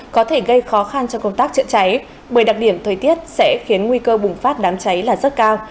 có thể gây khó khăn cho công tác chữa cháy bởi đặc điểm thời tiết sẽ khiến nguy cơ bùng phát đám cháy là rất cao